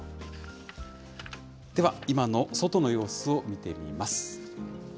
では今の外の様子を見てみます。